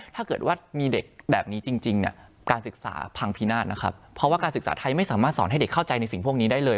ถ้าเกิดว่ามีเด็กแบบนี้จริงเนี่ยการศึกษาพังพินาศนะครับเพราะว่าการศึกษาไทยไม่สามารถสอนให้เด็กเข้าใจในสิ่งพวกนี้ได้เลย